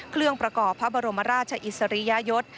เครื่องประกอบพระบรมราชอิสริยยศ